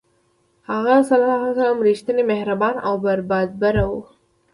هغه ﷺ رښتینی، مهربان او بردباره و.